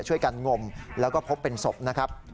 ช่วยกันงมแล้วก็พบเป็นศพนะครับ